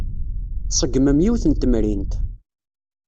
Tṣeggmem yiwet n temrint.